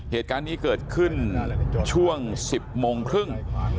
เหตุการณ์นี้เกิดขึ้นช่วง๑๐โมงครึ่ง